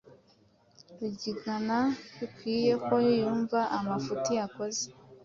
Rugigana bikwiye ko yumva amafuti yakoze